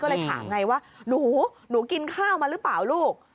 ก็เลยถามไงว่าหนูหนูกินข้าวมาหรือเปล่าลูก